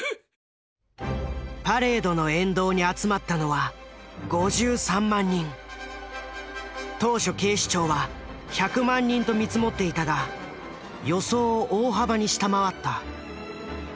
パレードの沿道に集まったのは当初警視庁は１００万人と見積もっていたが予想を大幅に下回った。